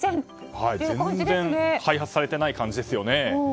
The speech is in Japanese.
全然開発されていない感じですよね。